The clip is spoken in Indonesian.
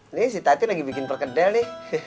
ini si tati lagi bikin perkedel nih